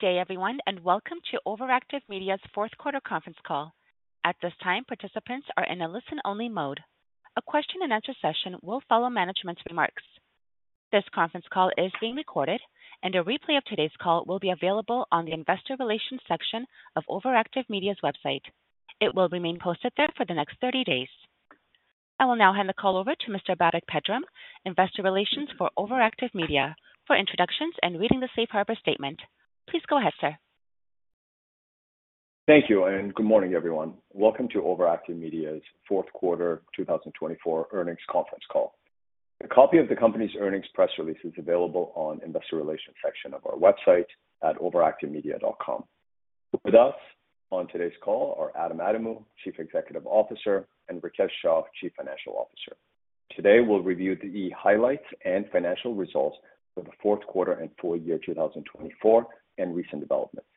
Good day, everyone, and welcome to OverActive Media's fourth quarter conference call. At this time, participants are in a listen-only mode. A question-and-answer session will follow management's remarks. This conference call is being recorded, and a replay of today's call will be available on the Investor Relations section of OverActive Media's website. It will remain posted there for the next 30 days. I will now hand the call over to Mr. Babak Pedram, Investor Relations for OverActive Media, for introductions and reading the Safe Harbor Statement. Please go ahead, sir. Thank you, and good morning, everyone. Welcome to OverActive Media's fourth quarter 2024 earnings conference call. A copy of the company's earnings press release is available on the Investor Relations section of our website at overactivemedia.com. With us on today's call are Adam Adamou, Chief Executive Officer, and Rikesh Shah, Chief Financial Officer. Today, we'll review the highlights and financial results for the fourth quarter and full year 2024 and recent developments.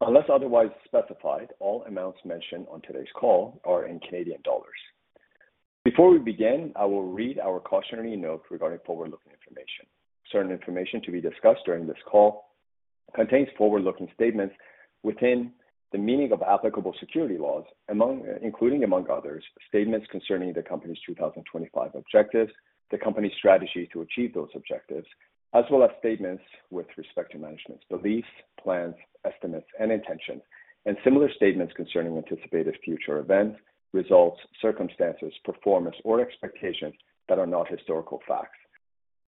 Unless otherwise specified, all amounts mentioned on today's call are in Canadian dollars. Before we begin, I will read our cautionary note regarding forward-looking information. Certain information to be discussed during this call contains forward-looking statements within the meaning of applicable security laws, including among others, statements concerning the company's 2025 objectives, the company's strategy to achieve those objectives, as well as statements with respect to management's beliefs, plans, estimates, and intentions, and similar statements concerning anticipated future events, results, circumstances, performance, or expectations that are not historical facts.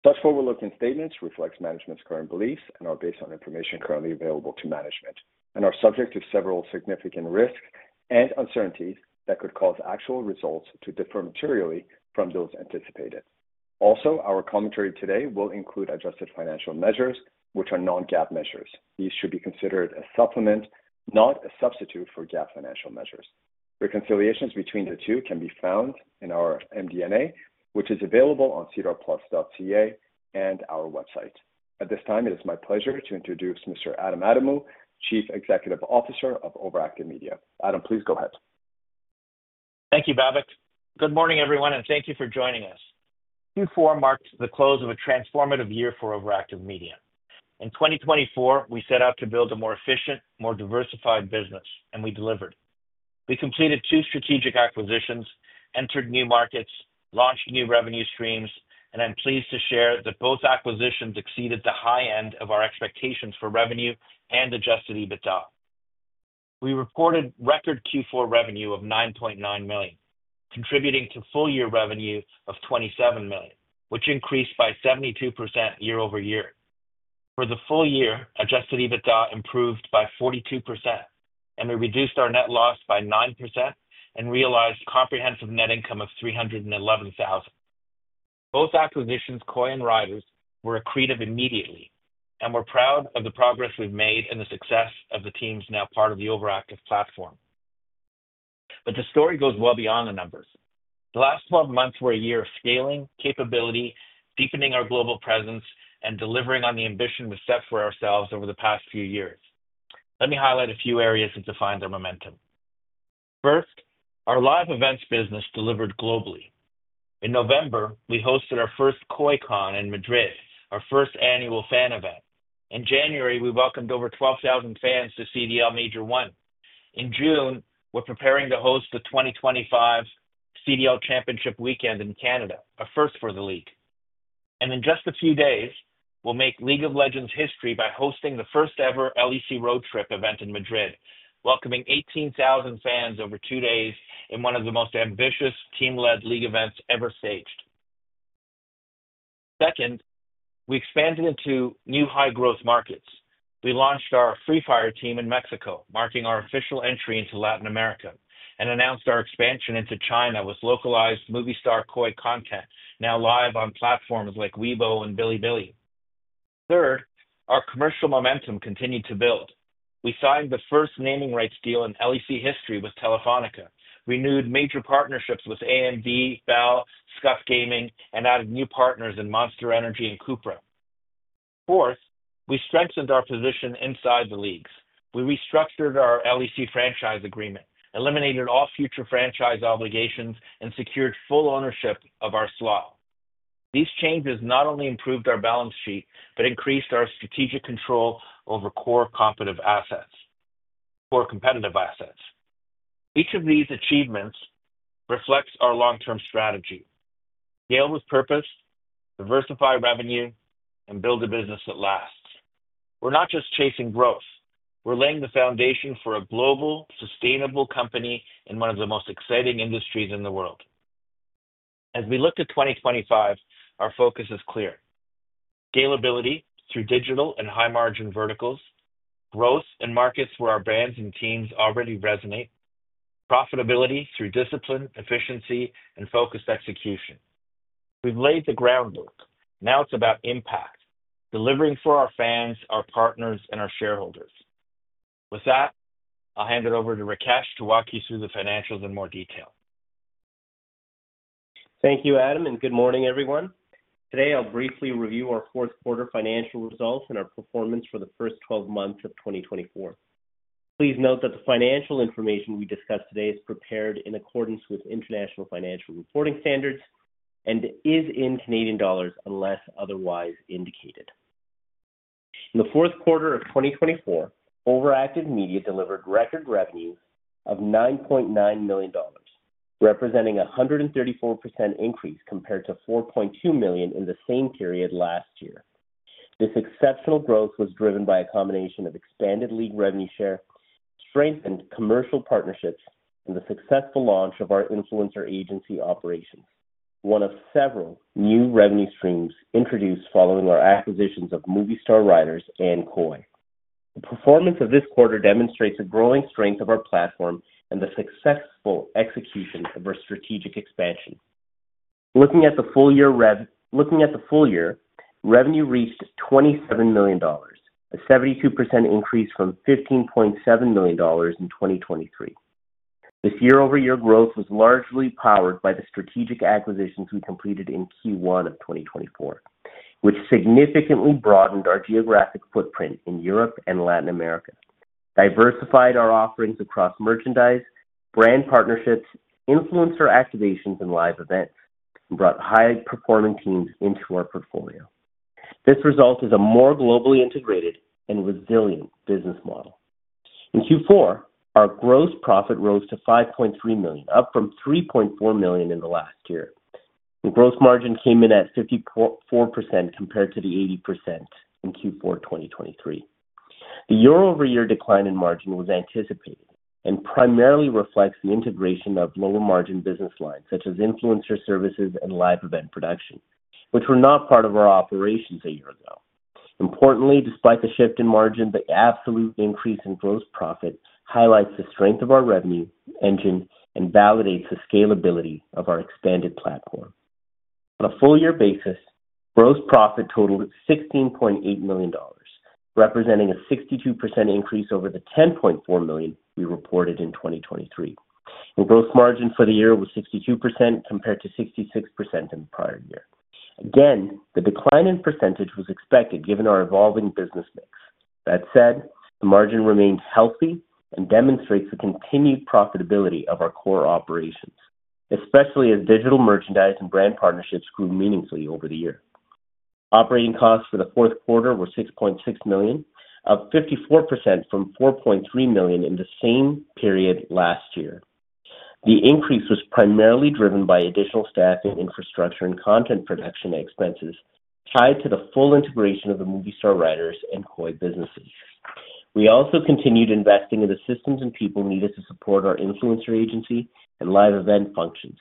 Such forward-looking statements reflect management's current beliefs and are based on information currently available to management and are subject to several significant risks and uncertainties that could cause actual results to differ materially from those anticipated. Also, our commentary today will include adjusted financial measures, which are non-GAAP measures. These should be considered a supplement, not a substitute for GAAP financial measures. Reconciliations between the two can be found in our MD&A, which is available on cedarplus.ca and our website. At this time, it is my pleasure to introduce Mr. Adam Adamou, Chief Executive Officer of OverActive Media. Adam, please go ahead. Thank you, Babak. Good morning, everyone, and thank you for joining us. 2024 marked the close of a transformative year for OverActive Media. In 2024, we set out to build a more efficient, more diversified business, and we delivered. We completed two strategic acquisitions, entered new markets, launched new revenue streams, and I'm pleased to share that both acquisitions exceeded the high end of our expectations for revenue and adjusted EBITDA. We reported record Q4 revenue of 9.9 million, contributing to full-year revenue of 27 million, which increased by 72% year over year. For the full year, adjusted EBITDA improved by 42%, and we reduced our net loss by 9% and realized comprehensive net income of 311,000. Both acquisitions, KOI and Riders, were accretive immediately and we're proud of the progress we've made and the success of the teams now part of the OverActive platform. The story goes well beyond the numbers. The last 12 months were a year of scaling, capability, deepening our global presence, and delivering on the ambition we set for ourselves over the past few years. Let me highlight a few areas that defined our momentum. First, our live events business delivered globally. In November, we hosted our first KOICON in Madrid, our first annual fan event. In January, we welcomed over 12,000 fans to CDL Major One. In June, we're preparing to host the 2025 CDL Championship Weekend in Canada, a first for the league. In just a few days, we'll make League of Legends history by hosting the first-ever LEC road trip event in Madrid, welcoming 18,000 fans over two days in one of the most ambitious team-led league events ever staged. Second, we expanded into new high-growth markets. We launched our Free Fire team in Mexico, marking our official entry into Latin America, and announced our expansion into China with localized Movistar KOI content now live on platforms like Weibo and Bilibili. Third, our commercial momentum continued to build. We signed the first naming rights deal in LEC history with Telefónica, renewed major partnerships with AMD, Bell, SCUF Gaming, and added new partners in Monster Energy and Cupra. Fourth, we strengthened our position inside the leagues. We restructured our LEC franchise agreement, eliminated all future franchise obligations, and secured full ownership of our slot. These changes not only improved our balance sheet but increased our strategic control over core competitive assets. Each of these achievements reflects our long-term strategy: scale with purpose, diversify revenue, and build a business that lasts. We're not just chasing growth. We're laying the foundation for a global, sustainable company in one of the most exciting industries in the world. As we look to 2025, our focus is clear: scalability through digital and high-margin verticals, growth in markets where our brands and teams already resonate, profitability through discipline, efficiency, and focused execution. We've laid the groundwork. Now it's about impact, delivering for our fans, our partners, and our shareholders. With that, I'll hand it over to Rikesh to walk you through the financials in more detail. Thank you, Adam, and good morning, everyone. Today, I'll briefly review our fourth quarter financial results and our performance for the first 12 months of 2024. Please note that the financial information we discuss today is prepared in accordance with international financial reporting standards and is in Canadian dollars unless otherwise indicated. In the fourth quarter of 2024, OverActive Media delivered record revenues of 9.9 million dollars, representing a 134% increase compared to 4.2 million in the same period last year. This exceptional growth was driven by a combination of expanded league revenue share, strengthened commercial partnerships, and the successful launch of our influencer agency operations, one of several new revenue streams introduced following our acquisitions of Movistar Riders and KOI. The performance of this quarter demonstrates the growing strength of our platform and the successful execution of our strategic expansion. Looking at the full year, revenue reached 27 million dollars, a 72% increase from 15.7 million dollars in 2023. This year-over-year growth was largely powered by the strategic acquisitions we completed in Q1 of 2024, which significantly broadened our geographic footprint in Europe and Latin America, diversified our offerings across merchandise, brand partnerships, influencer activations, and live events, and brought high-performing teams into our portfolio. This result is a more globally integrated and resilient business model. In Q4, our gross profit rose to 5.3 million, up from 3.4 million in the last year. The gross margin came in at 54% compared to the 80% in Q4 2023. The year-over-year decline in margin was anticipated and primarily reflects the integration of lower-margin business lines such as influencer services and live event production, which were not part of our operations a year ago. Importantly, despite the shift in margin, the absolute increase in gross profit highlights the strength of our revenue engine and validates the scalability of our expanded platform. On a full-year basis, gross profit totaled 16.8 million dollars, representing a 62% increase over the 10.4 million we reported in 2023. The gross margin for the year was 62% compared to 66% in the prior year. Again, the decline in percentage was expected given our evolving business mix. That said, the margin remained healthy and demonstrates the continued profitability of our core operations, especially as digital merchandise and brand partnerships grew meaningfully over the year. Operating costs for the fourth quarter were 6.6 million, up 54% from 4.3 million in the same period last year. The increase was primarily driven by additional staffing, infrastructure, and content production expenses tied to the full integration of the Movistar Riders and KOI businesses. We also continued investing in the systems and people needed to support our influencer agency and live event functions,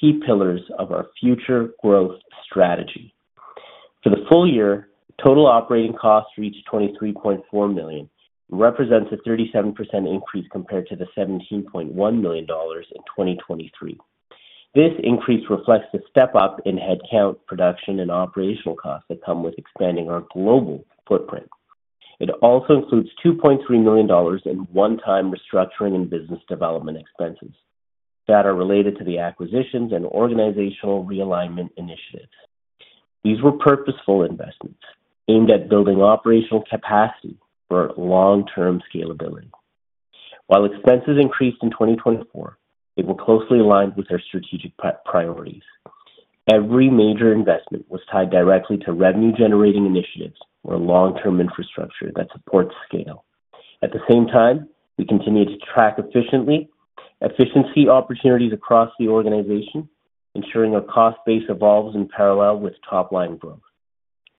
key pillars of our future growth strategy. For the full year, total operating costs reached 23.4 million, representing a 37% increase compared to the 17.1 million dollars in 2023. This increase reflects the step-up in headcount, production, and operational costs that come with expanding our global footprint. It also includes 2.3 million dollars in one-time restructuring and business development expenses that are related to the acquisitions and organizational realignment initiatives. These were purposeful investments aimed at building operational capacity for long-term scalability. While expenses increased in 2024, they were closely aligned with our strategic priorities. Every major investment was tied directly to revenue-generating initiatives or long-term infrastructure that supports scale. At the same time, we continued to track efficiency opportunities across the organization, ensuring our cost base evolves in parallel with top-line growth.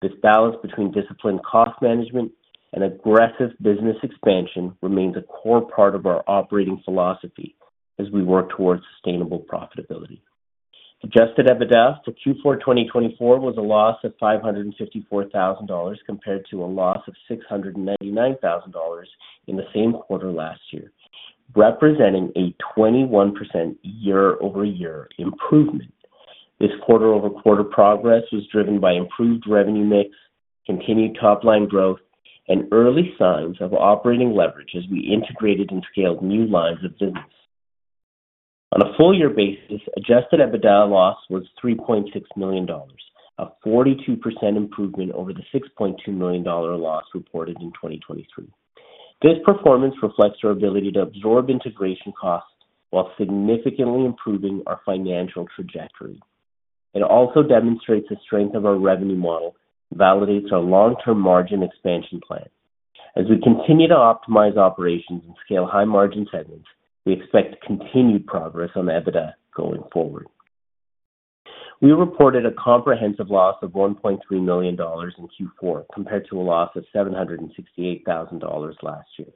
This balance between disciplined cost management and aggressive business expansion remains a core part of our operating philosophy as we work towards sustainable profitability. Adjusted EBITDA for Q4 2024 was a loss of 554,000 dollars compared to a loss of 699,000 dollars in the same quarter last year, representing a 21% year-over-year improvement. This quarter-over-quarter progress was driven by improved revenue mix, continued top-line growth, and early signs of operating leverage as we integrated and scaled new lines of business. On a full-year basis, adjusted EBITDA loss was 3.6 million dollars, a 42% improvement over the 6.2 million dollar loss reported in 2023. This performance reflects our ability to absorb integration costs while significantly improving our financial trajectory. It also demonstrates the strength of our revenue model and validates our long-term margin expansion plan. As we continue to optimize operations and scale high-margin segments, we expect continued progress on EBITDA going forward. We reported a comprehensive loss of 1.3 million dollars in Q4 compared to a loss of 768,000 dollars last year,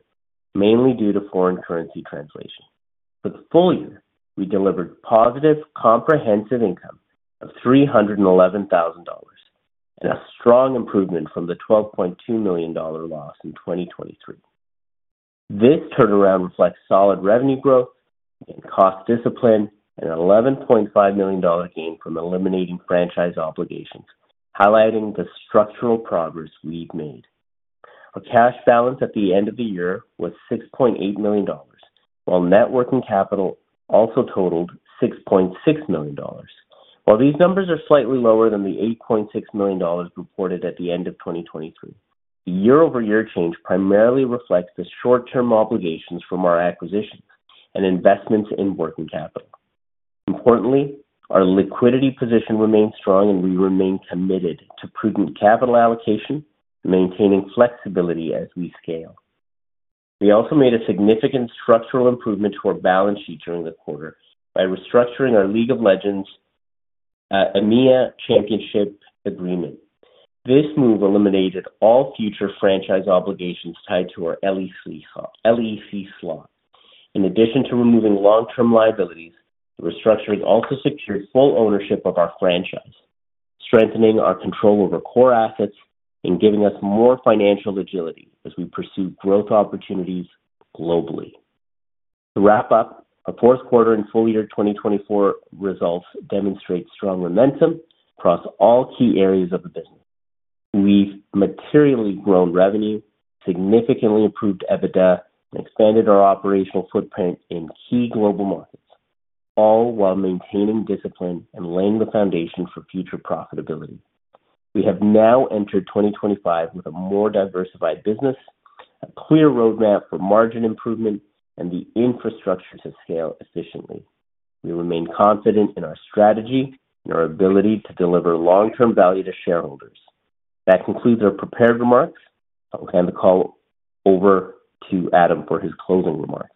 mainly due to foreign currency translation. For the full year, we delivered positive comprehensive income of CAD $311,000 and a strong improvement from the 12.2 million dollar loss in 2023. This turnaround reflects solid revenue growth, cost discipline, and an 11.5 million dollar gain from eliminating franchise obligations, highlighting the structural progress we've made. Our cash balance at the end of the year was 6.8 million, while net working capital also totaled 6.6 million dollars. While these numbers are slightly lower than the 8.6 million dollars reported at the end of 2023, the year-over-year change primarily reflects the short-term obligations from our acquisitions and investments in working capital. Importantly, our liquidity position remained strong, and we remained committed to prudent capital allocation, maintaining flexibility as we scale. We also made a significant structural improvement to our balance sheet during the quarter by restructuring our League of Legends EMEA Championship Agreement. This move eliminated all future franchise obligations tied to our LEC slot. In addition to removing long-term liabilities, the restructuring also secured full ownership of our franchise, strengthening our control over core assets and giving us more financial agility as we pursue growth opportunities globally. To wrap up, our fourth quarter and full-year 2024 results demonstrate strong momentum across all key areas of the business. We've materially grown revenue, significantly improved EBITDA, and expanded our operational footprint in key global markets, all while maintaining discipline and laying the foundation for future profitability. We have now entered 2025 with a more diversified business, a clear roadmap for margin improvement, and the infrastructure to scale efficiently. We remain confident in our strategy and our ability to deliver long-term value to shareholders. That concludes our prepared remarks. I'll hand the call over to Adam for his closing remarks.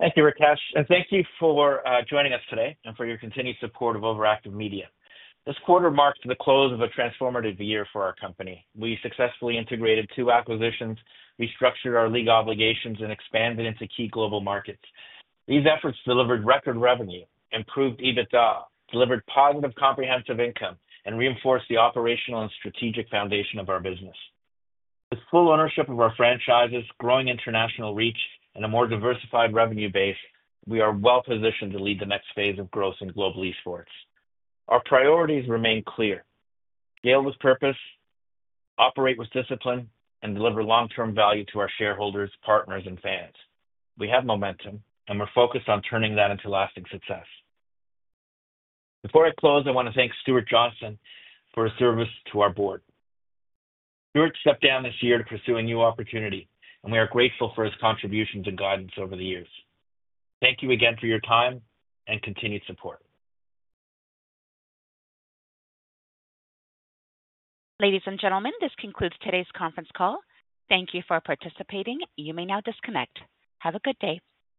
Thank you, Rikesh, and thank you for joining us today and for your continued support of OverActive Media. This quarter marked the close of a transformative year for our company. We successfully integrated two acquisitions, restructured our league obligations, and expanded into key global markets. These efforts delivered record revenue, improved EBITDA, delivered positive comprehensive income, and reinforced the operational and strategic foundation of our business. With full ownership of our franchises, growing international reach, and a more diversified revenue base, we are well-positioned to lead the next phase of growth in global esports. Our priorities remain clear: scale with purpose, operate with discipline, and deliver long-term value to our shareholders, partners, and fans. We have momentum, and we're focused on turning that into lasting success. Before I close, I want to thank Stuart Johnson for his service to our board. Stuart stepped down this year to pursue a new opportunity, and we are grateful for his contributions and guidance over the years. Thank you again for your time and continued support. Ladies and gentlemen, this concludes today's conference call. Thank you for participating. You may now disconnect. Have a good day.